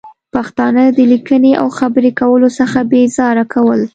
پښتانه د لیکنې او خبرې کولو څخه بې زاره کول